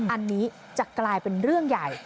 อันนี้จะกลายเป็นเรื่องใหญ่